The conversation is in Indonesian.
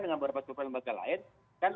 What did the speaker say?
dengan beberapa lembaga lain kan